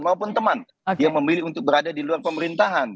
maupun teman yang memilih untuk berada di luar pemerintahan